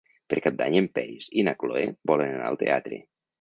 Per Cap d'Any en Peris i na Cloè volen anar al teatre.